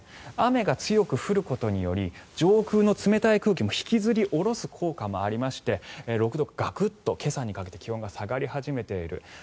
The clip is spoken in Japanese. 雨が強く降ることにより上空の冷たい空気も引きずり下ろす効果もありまして６度、ガクッと今朝にかけて気温が下がり始めている。